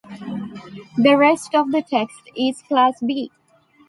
The rest of the text is Class B.